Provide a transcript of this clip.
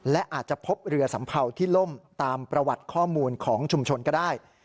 และอาจจะพบเรือสัมเภาที่ล่มตามประวัติข้อมูลของชุมชนก็ได้